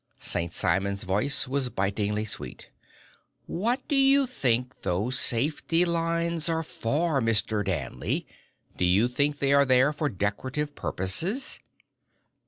St. Simon's voice was bitingly sweet. "What do you think those safety lines are for, Mr. Danley? Do you think they are for decorative purposes?"